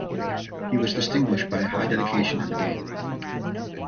He was distinguished by high dedication in the game.